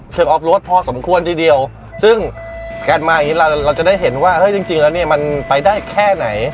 เก็บมาแล้วเราจะได้เห็นว่าจริงแล้วมันไปเค้าแค่ไหน